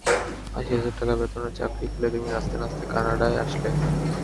আশি হাজার টাকা বেতনের চাকরি ফেলে তুমি নাচতে নাচতে কানাডায় আসলে।